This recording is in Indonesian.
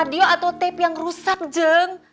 radio atau tap yang rusak jeng